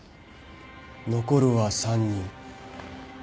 残るは３人。